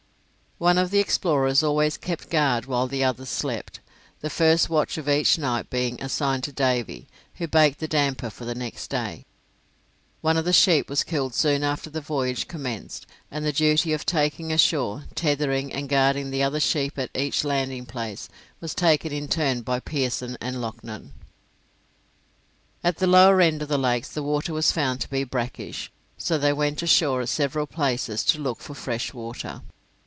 One of the explorers always kept guard while the others slept, the first watch of each night being assigned to Davy, who baked the damper for the next day. One of the sheep was killed soon after the voyage commenced; and the duty of taking ashore, tethering, and guarding the other sheep at each landing place was taken in turn by Pearson and Loughnan. At the lower end of the lakes the water was found to be brackish, so they went ashore at several places to look for fresh water.